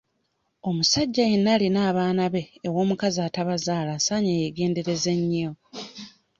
Omusajja yenna alina abaana be ew'omukyala atabazaala asaanye yeegendereze nnyo.